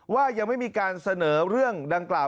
ว่ายังไม่มีการเสนอเรื่องดังกล่าว